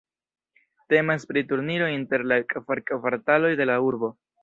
Temas pri turniro inter la kvar kvartaloj de la urbo.